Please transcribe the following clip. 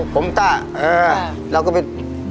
ผมตะเออแล้วก็ไป